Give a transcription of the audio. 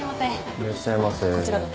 いらっしゃいませ。